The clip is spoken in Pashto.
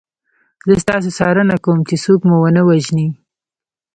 زه ستاسو څارنه کوم چې څوک مو ونه وژني